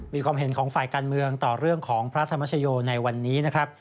มีความเห็นของฝ่ายการเมืองต่อเรื่องของพระธรรมชโยในวันนี้นะครับ